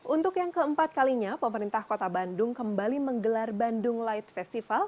untuk yang keempat kalinya pemerintah kota bandung kembali menggelar bandung light festival